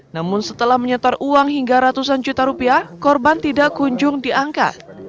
namun setelah menyetor uang hingga ratusan juta rupiah korban tidak kunjung diangka